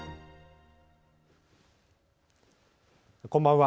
こんばんは。